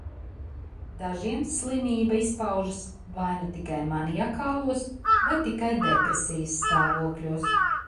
Dažiem slimība izpaužas vai nu tikai maniakālos vai tikai depresijas stāvokļos.